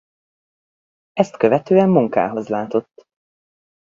Ezt követően munkához látott.